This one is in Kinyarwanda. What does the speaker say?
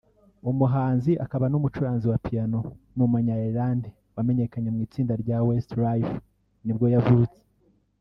umuhanzi akaba n’umucuranzi wa Piano w’umunya-Ireland wamenyekanye mu itsinda rya Westlife nibwo yavutse